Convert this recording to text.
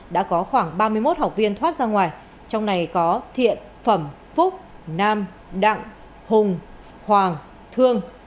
đã có khoảng ba mươi một học viên thoát ra ngoài trong này có thiện phẩm phúc nam đặng hùng hoàng thương